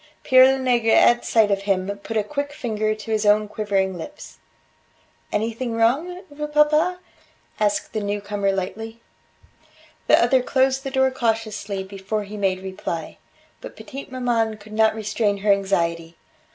Pere Lenegre at sight of him, put a quick finger to his own quivering lips. "Anything wrong, vieux papa?" asked the newcomer lightly. The other closed the door cautiously before he made reply. But petite maman could not restrain her anxiety.